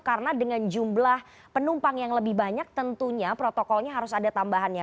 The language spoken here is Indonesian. karena dengan jumlah penumpang yang lebih banyak tentunya protokolnya harus ada tambahannya